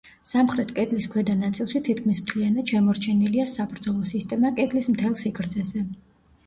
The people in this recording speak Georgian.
სამხრეთ კედლის ქვედა ნაწილში თითქმის მთლიანად შემორჩენილია საბრძოლო სისტემა კედლის მთელ სიგრძეზე.